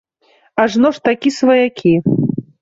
Ажно ж такі сваякі.